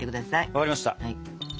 分かりました。